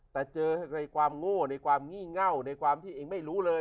แต่เจอในความโง่ในความงี่เง่าในความที่เองไม่รู้เลย